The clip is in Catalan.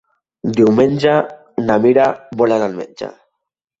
Diumenge na Mira vol anar al metge.